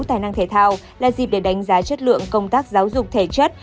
tài năng thể thao là dịp để đánh giá chất lượng công tác giáo dục thể chất